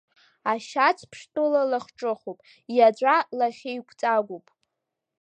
Ашьацԥштәыла лахҿыхуп, иаҵәа лахьеиқәҵагоуп…